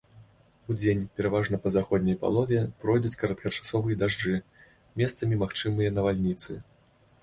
Удзень, пераважна па заходняй палове, пройдуць кароткачасовыя дажджы, месцамі магчымыя навальніцы.